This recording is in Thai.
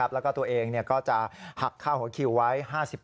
แล้วก็ตัวเองก็จะหักค่าหัวคิวไว้๕๐